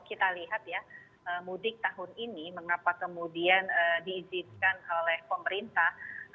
jadi kalau kita lihat ya mudik tahun ini mengapa kemudian diizinkan oleh pemerintah